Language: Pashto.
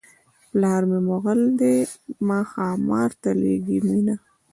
پلار مې مغل دی ما ښامار ته لېږي مینه.